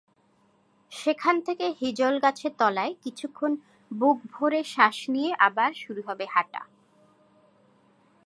সেখান থেকে হিজলগাছের তলায় কিছুক্ষণ বুকভরে শ্বাস নিয়ে আবার শুরু হবে হাঁটা।